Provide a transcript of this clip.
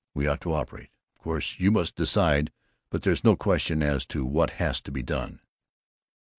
We ought to operate. Of course you must decide, but there's no question as to what has to be done."